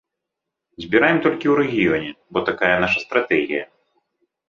Збіраем толькі ў рэгіёне, бо такая наша стратэгія.